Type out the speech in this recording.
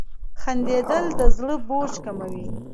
• خندېدل د زړه بوج کموي.